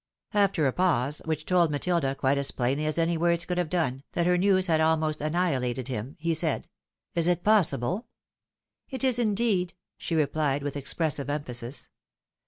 After a pause, which told Matilda quite as plainly as any words could have done, that her news had almost annihilated him, he said, "Isitpssible?" " It is indeed !" she replied, with expressive emphasis.